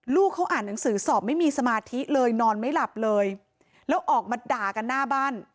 ลูกเขาอ่านหนังสือสอบไม่มีสมาธิเลยนอนไม่หลับเลยแล้วออกมาด่ากันหน้าบ้าน